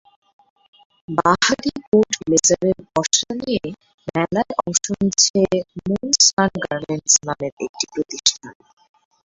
বাহারি কোট-ব্লেজারের পসরা নিয়ে মেলায় অংশ নিচ্ছে মুন সান গার্মেন্টস নামের একটি প্রতিষ্ঠান।